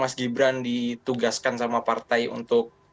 mas gibran ditugaskan sama partai untuk